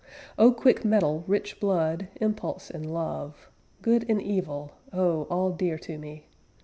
O quick mettle, rich blood, impulse and love! good and evil! O all dear to me!